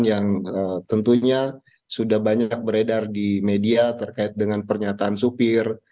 yang tentunya sudah banyak beredar di media terkait dengan pernyataan supir